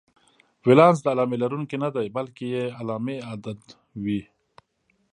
ولانس د علامې لرونکی نه دی، بلکې بې علامې عدد وي.